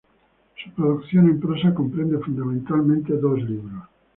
Su producción en prosa comprende fundamentalmente dos libros.